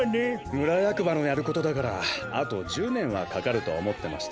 むらやくばのやることだからあと１０ねんはかかるとおもってましたよ。